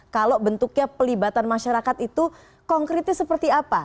kalau bentuknya pelibatan masyarakat itu konkretnya seperti apa